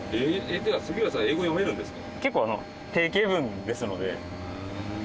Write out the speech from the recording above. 杉浦さん英語読めるんですか？